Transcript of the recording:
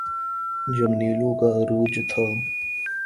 جب نیلو کا عروج تھا۔